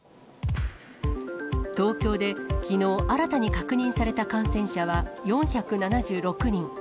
東京できのう新たに確認された感染者は、４７６人。